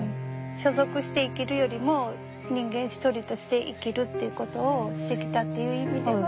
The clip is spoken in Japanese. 所属して生きるよりも人間一人として生きるっていうことをしてきたっていう意味では。